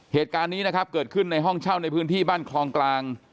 เหตุการณ์นี้นะครับเกิดขึ้นในห้องเช่าในพื้นที่บ้านคลองกลาง